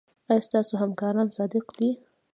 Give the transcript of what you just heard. ایا ستاسو همکاران صادق دي؟